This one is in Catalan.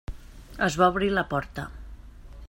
Es va obrir la porta.